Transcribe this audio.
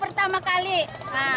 pernah upacara di sekolahan